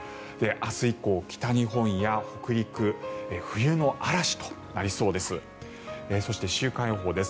明日以降、北日本や北陸冬の嵐となりそうです。